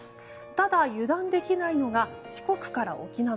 ただ、油断できないのが四国から沖縄。